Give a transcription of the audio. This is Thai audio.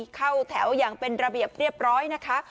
เข้าแถวอย่างเป็นระเบียบเรียบร้อยนะคะ